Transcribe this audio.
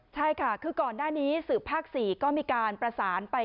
ใช่ค่ะคือก่อนหน้านี้สืบภาค๔ก็มีการประสานไป